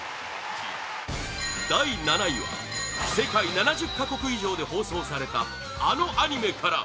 第７位は世界７０か国以上で放送されたあのアニメから！